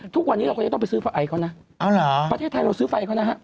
ทุกวันนี้เราก็จะต้องไปซื้อไฟเขานะประเทศไทยเราซื้อไฟเขานะฮะ